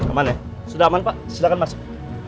aman ya sudah aman pak silahkan masuk